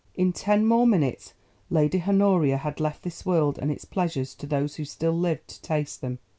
In ten more minutes Lady Honoria had left this world and its pleasures to those who still lived to taste them.